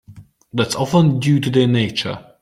That's often due to their nature.